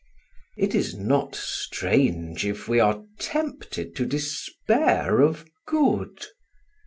It is not strange if we are tempted to despair of good.